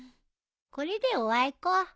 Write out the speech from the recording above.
これでおあいこ？